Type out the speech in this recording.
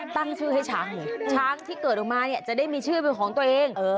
ตั้งชื่อให้ช้างเลยช้างที่เกิดออกมาเนี่ยจะได้มีชื่อเป็นของตัวเอง